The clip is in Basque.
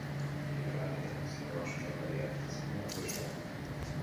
Gidoilaria, zinema zuzendaria eta zinema ekoizlea da.